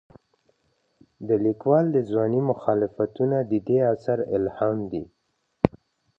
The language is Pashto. د لیکوال د ځوانۍ مخالفتونه د دې اثر الهام دي.